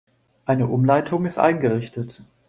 Eine Umleitung ist eingerichtet.